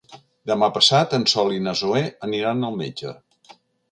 Demà passat en Sol i na Zoè aniran al metge.